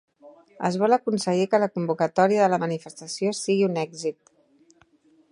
Es vol aconseguir que la convocatòria de la manifestació sigui un èxit